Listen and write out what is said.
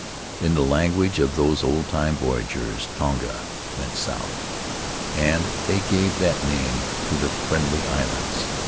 In the language of those old time voyagers, tonga meant south, and they gave that name to the Friendly Islands.